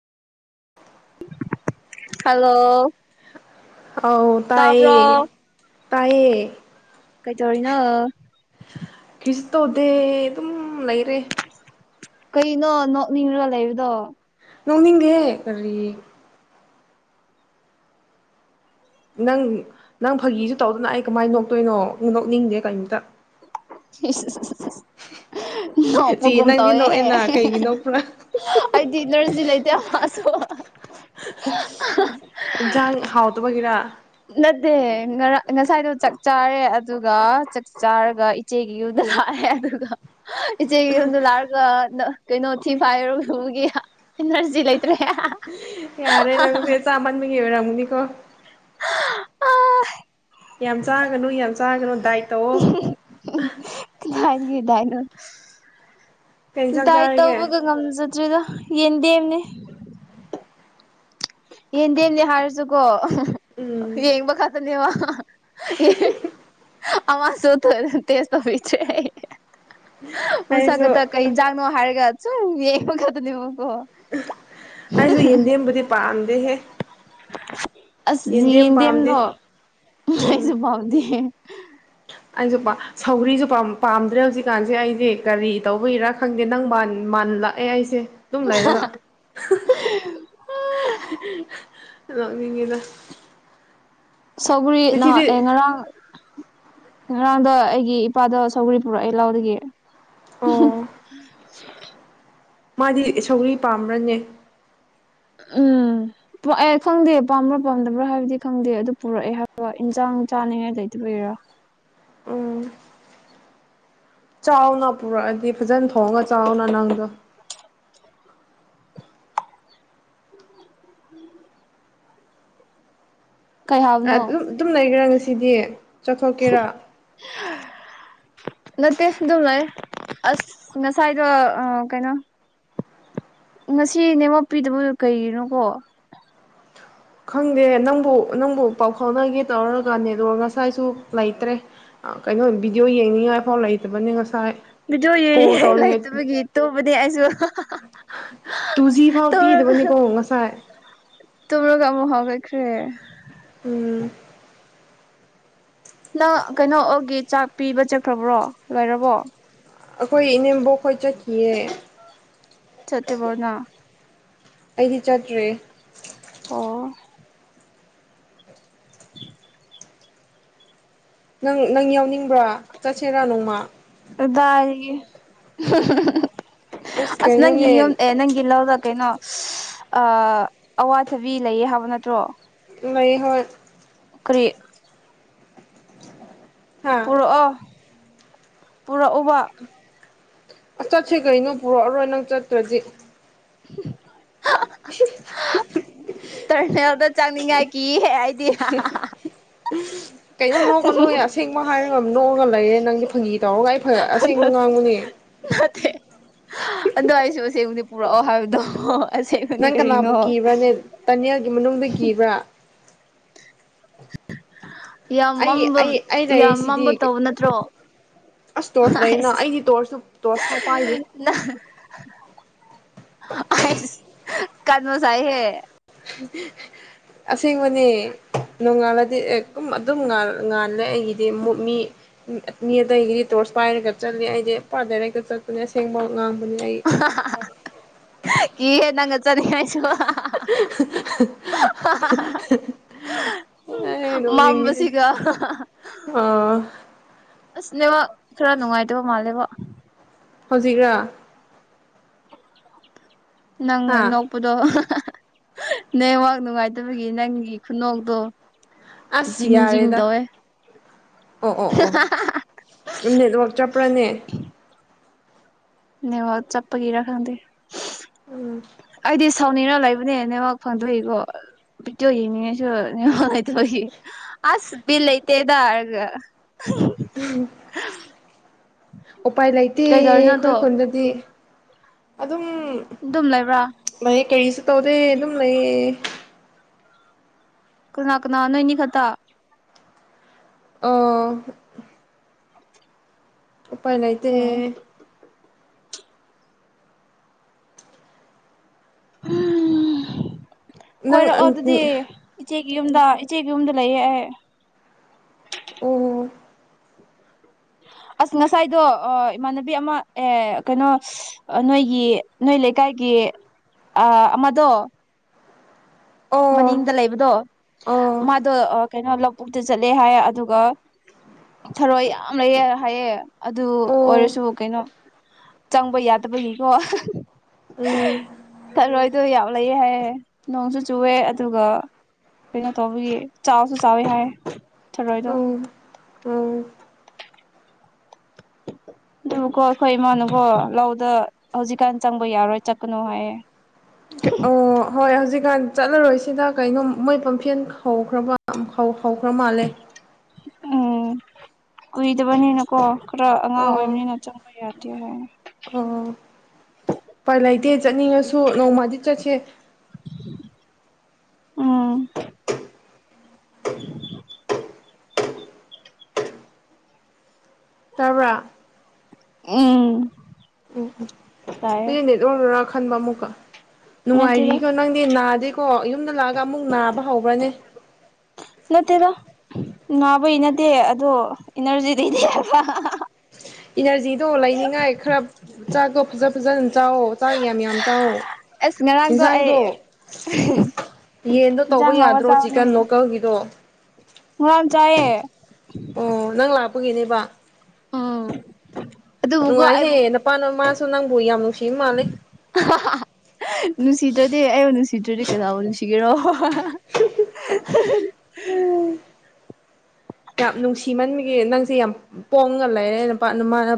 [inaudible] hello ꯑꯧ ꯇꯥꯕ꯭ꯔꯣ ꯇꯥꯏꯌꯦ ꯇꯥꯏꯌꯦ ꯀꯩꯇꯧꯔꯤꯅꯣ ꯀꯤꯁꯨ ꯇꯧꯗꯦ ꯑꯗꯨꯝ ꯂꯩꯔꯦ ꯀꯩꯅꯣ ꯅꯣꯛꯅꯤꯡꯔ ꯂꯩꯕꯗꯣ ꯅꯣꯡꯅꯤꯡꯗꯦꯍꯦ ꯀꯔꯤ ꯅꯪ ꯅꯪ ꯐꯥꯒꯤꯁꯨ ꯇꯧꯗꯅ ꯑꯩ ꯀꯃꯥꯏꯅ ꯅꯣꯛꯇꯣꯏꯅꯣ ꯅꯣꯛꯅꯤꯡꯗꯦ ꯀꯩꯝꯇ ꯏꯁꯏꯁꯏꯁ ꯆꯦ ꯅꯣꯞꯄꯒꯨꯝ ꯅꯪꯗꯤ ꯇꯧꯋꯦꯍꯦ ꯅꯣꯛꯑꯦꯅ ꯀꯩꯒꯤ ꯅꯣꯛꯄ꯭ꯔꯥ ꯑꯩꯗꯤ ꯏꯅꯔꯖꯤ ꯂꯩꯇꯦ [unintelligible] ꯏꯟꯁꯥꯡ ꯍꯥꯎꯇꯕꯒꯤꯔꯥ ꯅꯠꯇꯦ ꯉꯔꯥꯡ ꯉꯁꯥꯏꯗꯣ ꯆꯥꯛ ꯆꯥꯔꯦ ꯑꯗꯨꯒ ꯆꯥꯛ ꯆꯥꯔꯒ ꯏꯆꯦꯒꯤ ꯌꯨꯝꯗ ꯂꯥꯛꯑꯦ ꯑꯗꯨꯒ ꯏꯆꯦꯒꯤ ꯌꯨꯝꯗ ꯂꯥꯛꯔꯒ ꯀꯩꯅꯣ ꯊꯤ ꯐꯥꯔ ꯏꯔꯨꯂꯨꯕꯒꯤ ꯏꯅꯔꯖꯤ ꯂꯥꯏꯇ꯭ꯔꯦ ꯍꯥ ꯍꯥ ꯌꯥꯔꯦ ꯅꯡꯁꯦ ꯆꯥꯃꯟꯕꯒꯤ ꯑꯣꯏꯔꯝꯒꯅꯤꯀꯣ ꯌꯥꯝ ꯆꯥꯒꯅꯨ ꯌꯥꯝ ꯆꯥꯒꯅꯨ ꯗꯥꯏꯠ ꯇꯧꯑꯣ ꯀꯥꯏꯗꯒꯤ ꯗꯥꯏꯠꯅꯣ ꯀꯩ ꯏꯟꯁꯥꯡ ꯗꯥꯠꯏ ꯆꯥꯔꯤꯒꯦ ꯇꯧꯕꯒ ꯉꯝꯖꯗ꯭ꯔꯦꯗ ꯌꯦꯟꯗꯦꯝꯅꯦ ꯌꯦꯟꯗꯦꯝꯅꯦ ꯍꯥꯏꯔꯁꯨꯀꯣ ꯎꯝ ꯌꯦꯡꯕ ꯈꯛꯇꯅꯦꯕ ꯑꯃ ꯁꯨ ꯇꯦꯁ ꯇꯨꯕꯤꯗ꯭ꯔꯦꯌꯦ ꯃꯁꯛ ꯑꯩꯁꯨ ꯈꯛꯇ ꯀꯩ ꯏꯟꯖꯥꯡꯅꯣ ꯍꯥꯏꯔꯒ ꯁꯨꯝ ꯌꯦꯡꯕꯒꯛꯇꯅꯦꯕ ꯑꯩꯁꯨ ꯌꯦꯟꯗꯦꯝꯕꯨꯗꯤ ꯄꯥꯝꯗꯦꯍꯦ ꯑꯁ ꯌꯦꯟꯗꯦꯝ ꯄꯥꯝꯗꯦ ꯌꯦꯟꯗꯦꯝꯗꯣ ꯑꯩꯁꯨ ꯎꯝ ꯄꯥꯝꯗꯦ ꯑꯩꯁꯨ ꯁꯧꯒ꯭ꯔꯤꯁꯨ ꯄꯥꯝꯗ꯭ꯔꯦ ꯍꯧꯖꯤꯛꯀꯥꯟꯁꯦ ꯑꯩꯗꯤ ꯀꯔꯤ ꯇꯧꯕꯩꯔꯥ ꯈꯪꯗꯦ ꯅꯪ ꯃꯥꯟ ꯂꯥꯛꯑꯦ ꯑꯩꯁꯦ ꯑꯗꯨꯝ ꯂꯩꯔꯒ ꯅꯣꯛꯅꯤꯡꯉꯤꯗ ꯁꯧꯒꯔꯤ ꯅꯍꯥꯛ ꯉꯁꯤꯗꯤ ꯑꯦ ꯉꯔꯥꯡ ꯉꯔꯥꯡꯗ ꯑꯩꯒꯤ ꯏꯄꯥꯗ ꯁꯧꯒꯔꯤ ꯄꯨꯔꯛꯑꯦ ꯂꯥꯎꯗꯒꯤ [inaudible] ꯑꯣ ꯃꯥꯗꯤ ꯁꯧꯒꯔꯤ ꯄꯥꯝꯕ꯭ꯔꯅꯦ ꯎꯝ ꯑꯦ ꯈꯪꯗꯦ ꯄꯥꯝꯕ꯭ꯔꯥ ꯄꯥꯝꯗꯕ꯭ꯔꯥ ꯍꯥꯏꯕꯗꯤ ꯈꯪꯗꯦ ꯑꯗꯨ ꯄꯨꯔꯛꯑꯦ ꯍꯥꯏꯕꯔꯣ ꯏꯟꯁꯥꯡ ꯆꯥꯅꯤꯡꯉꯥꯏ ꯂꯩꯇꯕꯩꯏꯔ ꯎꯝ ꯆꯥꯎꯅ ꯄꯨꯔꯛꯑꯗꯤ ꯐꯖꯅ ꯊꯣꯡꯉꯒ ꯆꯥꯎꯅ ꯅꯪꯗꯣ [inaudible] ꯀꯩ ꯍꯥꯏꯕꯅꯣ ꯑꯗꯨꯝ ꯑꯗꯨꯝ ꯂꯩꯒꯦꯔ ꯉꯁꯤꯗꯤ ꯆꯠꯊꯣꯛꯀꯦꯔꯥ ꯅꯠꯇꯦ ꯑꯗꯨꯝ ꯂꯩ ꯑꯁ ꯉꯁꯥꯏꯗꯣ ꯑꯥ ꯀꯩꯅꯣ ꯉꯁꯤ ꯅꯦꯠꯋꯥꯛ ꯄꯤꯗꯕꯒꯤꯔ ꯀꯩꯒꯤꯅꯣꯀꯣ ꯈꯪꯗꯦ ꯅꯪꯕꯨ ꯅꯪꯕꯨ ꯄꯥꯎ ꯐꯥꯎꯅꯒꯦ ꯇꯧꯔꯒ ꯅꯦꯠꯋꯔꯛ ꯉꯁꯥꯏꯁꯨ ꯂꯩꯇ꯭ꯔꯦ ꯀꯩꯅꯣ ꯕꯤꯗꯤꯑꯣ ꯌꯦꯡꯅꯤꯡꯉꯥꯏꯐꯥꯎ ꯂꯩꯇꯕꯅꯤ ꯉꯁꯥꯏ ꯕꯤꯗꯤꯌꯣ ꯀꯣꯜ ꯌꯦꯡꯅꯤꯡꯉꯥꯏ ꯂꯩꯥꯏꯇꯕꯒꯤ ꯇꯨꯝꯕꯅꯤ ꯑꯩꯁꯨ ꯇꯨꯖꯤ ꯐꯥꯎ ꯇꯧꯔꯒ ꯄꯤꯗꯕꯅꯤꯀꯣ ꯉꯁꯥꯏ ꯀꯦ ꯎꯝ ꯅꯪ ꯀꯩꯅꯣꯒꯤ ꯆꯥꯛ ꯄꯤꯕ ꯆꯠꯈ꯭ꯔꯕ꯭ꯔꯣ ꯂꯣꯏꯔꯕꯣ ꯑꯈꯣꯏ ꯏꯅꯦꯝꯕꯣꯛ ꯈꯣꯏꯆꯠꯈꯤꯑꯦ ꯆꯠꯇꯤꯕꯣ ꯅꯪ ꯑꯩꯗꯤ ꯆꯠꯇ꯭ꯔꯦ ꯑꯣ ꯅꯪ ꯅꯪ ꯌꯥꯎꯅꯤꯡꯕ꯭ꯔꯥ ꯆꯠꯁꯦꯔꯥ ꯅꯣꯡꯃꯥ ꯀꯗꯥꯏꯗꯒꯤ ꯑꯁ ꯅꯪꯒꯤ ꯌꯨꯝ ꯑꯦ ꯅꯪꯒꯤ ꯂꯧꯗ ꯀꯩꯅꯣ ꯑꯋꯥꯊꯕꯤ ꯂꯩꯌꯦ ꯍꯥꯏꯕ ꯅꯠꯇ꯭ꯔꯣ ꯂꯩ ꯍꯣꯏ ꯀꯔꯤ ꯍꯥ ꯄꯨꯔꯛꯑꯣ ꯄꯨꯔꯛꯎꯕ ꯑꯁ ꯆꯠꯁꯤ ꯀꯩꯅꯣ ꯄꯨꯔꯛꯑꯔꯣꯏ ꯅꯪ ꯆꯠꯇ꯭ꯔꯗꯤ [unintelligible] ꯇꯔꯅꯦꯜꯗ ꯆꯥꯅꯤꯡꯉꯥꯏ ꯀꯤꯌꯦ ꯑꯩꯗꯤ ꯀꯩꯅꯣ ꯅꯣꯛꯀꯅꯣ ꯍꯦ ꯑꯁꯦꯡꯕ ꯍꯥꯏꯔꯒ ꯅꯣꯛꯑꯒ ꯂꯩꯔꯦ ꯅꯪꯗꯤ ꯐꯪꯒꯤ ꯇꯧꯔꯒ ꯑꯩ ꯑꯁꯦꯡꯕ ꯉꯥꯡꯕꯅꯦ ꯅꯠꯇꯦ ꯑꯗꯣꯏꯁꯨ ꯄꯨꯔꯛꯑꯣ ꯍꯥꯏꯕꯗꯣ ꯅꯪ ꯀꯔꯤꯅꯣ ꯀꯅꯥꯕꯨ ꯀꯤꯕ꯭ꯔꯥꯅꯦ ꯇꯅꯦꯜꯒꯤ ꯃꯅꯨꯡꯗ ꯀꯤꯕ꯭ꯔꯥ ꯌꯥꯝ ꯑꯩ ꯃꯝꯕ ꯑꯩ ꯑꯩ ꯌꯥꯝ ꯂꯩꯔꯤꯁꯤꯗꯤ ꯃꯝꯕ ꯇꯧꯕ ꯅꯠꯇ꯭ꯔꯣ ꯑꯁ ꯇꯣꯔꯁ ꯂꯩꯅ ꯑꯥꯏꯁ ꯑꯩꯗꯤ ꯇꯣꯔꯁꯨ ꯇꯣꯔꯁ ꯐꯥꯎ ꯄꯥꯏꯗꯦ ꯑꯩꯁ ꯀꯥꯟꯕꯁꯥꯏ ꯍꯦ ꯑꯁꯦꯡꯕꯅꯦ ꯅꯣꯡꯉꯥꯜꯂꯗꯤ ꯑꯗꯨꯝ ꯉꯥꯜꯂꯦ ꯑꯩꯒꯤꯗꯤ ꯃꯤ ꯃꯤ ꯑꯇꯩꯒꯤꯗꯤ ꯇꯧ ꯇꯣꯔꯁ ꯄꯥꯏꯔꯒ ꯆꯠꯂꯦ ꯑꯩꯗꯤ ꯄꯣꯔꯥ ꯗꯥꯏꯔꯦꯛꯇ ꯆꯠꯄꯅꯦ ꯑꯁꯦꯡꯕ ꯉꯥꯡ ꯍꯥꯍꯥꯍꯥ ꯀꯤꯍꯦ ꯅꯪꯒ ꯆꯠꯅꯤ ꯑꯩꯁꯨ ꯍꯥꯍꯥꯍꯥꯍꯥ ꯑꯦ ꯅꯤꯛꯅꯤꯡꯉꯤꯍꯦ ꯑ ꯑꯁ ꯅꯦꯠꯋꯥꯛ ꯈꯔ ꯅꯨꯡꯉꯥꯏꯇꯕ ꯃꯥꯜꯂꯦꯕꯣ ꯍꯧꯖꯤꯛꯔ ꯅꯪꯅ ꯍꯥ ꯅꯣꯛꯄꯗꯣ ꯅꯦꯠꯋꯥꯛ ꯅꯨꯡꯉꯥꯏꯇꯕꯒꯤ ꯅꯪꯒꯤ ꯈꯨꯅꯣꯛꯇꯣ ꯑꯁ ꯖꯤꯡ ꯖꯤꯡ ꯌꯥꯔꯦꯗ ꯇꯧꯋꯦ ꯑꯣ ꯑꯣ ꯑꯣ ꯅꯦꯠꯋꯥꯛ ꯆꯞꯄ꯭ꯔꯅꯦ ꯅꯦꯠꯋꯥꯛ ꯆꯞꯄꯒꯤꯔ ꯈꯪꯗꯦ ꯎꯝ ꯑꯩꯗꯤ ꯁꯥꯎꯅꯤꯡꯔ ꯂꯩꯕꯅꯦ ꯅꯦꯠꯋꯥꯛ ꯐꯪꯗꯕꯒꯤꯀꯣ ꯄꯤꯗꯤꯑꯣꯛꯇꯣ ꯌꯦꯡꯅꯤꯡꯉꯁꯨ ꯅꯦꯠꯋꯥꯛ ꯂꯩꯇꯕꯒꯤ ꯑꯁ ꯕꯤꯠꯂꯩꯇꯦꯗ ꯑꯒ ꯎꯄꯥꯏ ꯂꯩꯇꯦ ꯑꯩꯈꯣꯏ ꯈꯨꯟꯗꯗꯤ ꯑꯗꯨꯝ ꯑꯗꯨꯝ ꯂꯩꯕ꯭ꯔꯥ ꯎꯝ ꯂꯩꯑꯦ ꯀꯔꯤꯁꯨ ꯇꯧꯗꯦ ꯑꯗꯨꯝ ꯂꯩꯌꯦ ꯀꯅꯥ ꯀꯅꯥ ꯅꯣꯏꯅꯤ ꯈꯛꯇ ꯑꯣꯥ [inaudible] ꯎꯄꯥꯏ ꯂꯩꯥꯇꯦ ꯑꯣ ꯎꯝ ꯅꯪ ꯀꯣꯏꯔꯛꯑꯣ ꯑꯗꯨꯗꯤ ꯏꯆꯦꯒꯤ ꯌꯨꯝꯗ ꯏꯆꯦꯒꯤ ꯌꯨꯝꯗ ꯂꯩꯌꯦ ꯑꯦ ꯑꯣ [inaudible] ꯑꯁ ꯉꯁꯥꯏꯗꯣ ꯏꯃꯥꯟꯅꯕꯤ ꯑꯃ ꯑꯦ ꯀꯩꯅꯣ ꯅꯣꯏꯒꯤ ꯅꯣꯏ ꯂꯩꯀꯥꯏꯒꯤ ꯑꯥ ꯑꯃꯗꯣ ꯑꯣ ꯃꯅꯤꯡꯗ ꯂꯩꯕꯗꯣ ꯑꯣ ꯃꯥꯗꯣ ꯀꯩꯅꯣ ꯂꯧꯕꯨꯛꯇ ꯆꯠꯂꯦ ꯍꯥꯏꯌꯦ ꯑꯗꯨꯒ ꯊꯔꯣꯏ ꯌꯥꯝ ꯂꯩꯌꯦ ꯍꯥꯏꯌꯦ ꯑꯗꯨ ꯑꯣ ꯑꯣꯏꯔꯁꯨ ꯀꯩꯅꯣ ꯆꯪꯕ ꯌꯥꯗꯕꯒꯤꯀꯣ ꯎꯝ ꯊꯔꯣꯏꯗꯣ ꯌꯥꯝ ꯂꯩꯌꯦ ꯍꯥꯏꯌꯦ ꯅꯣꯡꯁꯨ ꯆꯨꯑꯦ ꯑꯗꯨꯒ ꯀꯩꯅꯣ ꯇꯧꯕꯒꯤ ꯆꯥꯎꯁꯨ ꯆꯥꯎꯋꯤ ꯍꯥꯏ ꯊꯔꯣꯏꯗꯣ ꯎꯝ ꯎꯝ [inaudible] ꯑꯗꯨꯕꯨꯀꯣ ꯑꯈꯣꯏ ꯏꯃꯥꯅꯀꯣ ꯂꯧꯗ ꯍꯧꯖꯤꯛꯀꯥꯟ ꯆꯪꯕ ꯌꯥꯔꯣꯏ ꯆꯠꯀꯅꯨ ꯍꯥꯏꯌꯦ ꯑꯣ ꯍꯣꯏ ꯍꯧꯖꯤꯛꯀꯥꯟ ꯆꯠꯂꯔꯣꯏꯁꯤꯗ ꯀꯩꯅꯣ ꯃꯣꯏ ꯄꯝꯐꯦꯜ ꯍꯧꯈ꯭ꯔꯕ ꯍꯧꯈ꯭ꯔ ꯃꯥꯜꯂꯦ ꯎꯝ ꯀꯨꯏꯗꯕꯅꯤꯅꯀꯣ ꯈꯔ ꯑꯉꯥꯡ ꯑꯣ ꯑꯣꯏꯕꯅꯤꯅ ꯆꯪ ꯌꯥꯗꯦ ꯍꯥꯏ ꯑꯣ ꯎꯄꯥꯏ ꯂꯩꯇꯦ ꯆꯠꯅꯤꯡꯉꯁꯨ ꯅꯣꯡꯃꯗꯤ ꯆꯠꯁꯦ ꯎꯝ ꯇꯥꯕ꯭ꯔ ꯎꯝ ꯇꯥꯏꯌꯦ ꯑꯩꯅ ꯅꯦꯠꯋꯥꯛꯅꯔꯥ ꯈꯟꯕ ꯑꯃꯨꯛꯀ ꯅꯠꯇꯦꯗ ꯅꯨꯡꯉꯥꯏꯔꯤꯀꯣ ꯅꯪꯗꯤ ꯅꯥꯗꯦꯀꯣ ꯌꯨꯝꯗ ꯂꯥꯛ ꯑꯃꯨꯛ ꯅꯥꯕ ꯍꯧꯕ꯭ꯔꯅꯦ ꯅꯕꯩ ꯅꯠꯇꯦ ꯏꯅꯔꯖꯤ ꯂꯩꯇꯦ ꯍꯥꯏꯕ ꯏꯅ꯭ꯔꯖꯤ ꯗꯣ ꯂꯩꯅꯤꯡꯉꯥꯏ ꯈꯔ ꯆꯥꯛꯗꯣ ꯐꯖ ꯐꯖꯅ ꯆꯥꯛꯑꯣ ꯆꯥꯛ ꯌꯥꯝ ꯌꯥꯝ ꯆꯥꯛꯑꯣ ꯉꯔꯥꯡꯗꯣ ꯑꯩ ꯌꯦꯟꯗꯣ ꯇꯧꯕ ꯏꯟꯖꯥꯡ ꯍꯥꯎꯕ ꯌꯥꯗ꯭ꯔꯣ ꯆꯤꯛꯀꯟ ꯆꯥꯕꯅꯤꯅꯦ ꯂꯣꯀꯜꯒꯤꯗꯣ ꯉꯔꯥꯡ ꯆꯥꯏꯌꯦ ꯅꯦꯕ ꯎꯝ ꯑꯗꯨꯕꯨꯀꯣ ꯅꯨꯡꯉꯥꯏꯍꯦ ꯅꯄꯥ ꯅꯃꯥꯁꯨ ꯅꯪꯕꯨ ꯌꯥꯝ ꯅꯨꯡ ꯍꯥꯍꯥ ꯅꯨꯡꯁꯤꯗ꯭ꯔꯗꯤ ꯑꯩꯕꯨ ꯅꯨꯡꯁꯤꯗ꯭ꯔꯗꯤ ꯀꯅꯥꯕꯨ ꯅꯨꯡꯁꯤꯒꯦꯔꯣ [unintelligible] ꯌꯥꯝ ꯅꯨꯡꯁꯤꯃꯟꯕꯒꯤ ꯅꯪꯁꯦ ꯌꯥꯝ ꯄꯣꯡꯉ ꯂꯩꯔꯦ ꯅꯄꯥ ꯅꯃꯥ ꯅ